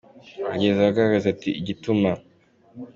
Ahageze arababaza ati “Igituma.